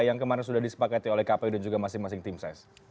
yang kemarin sudah disepaketi oleh kp dan juga masing masing teamses